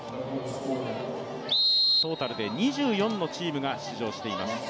トータルで２４チームが出場しています。